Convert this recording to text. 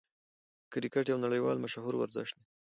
کرکټ یو نړۍوال مشهور ورزش دئ.